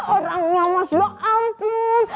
orangnya mas loh ampun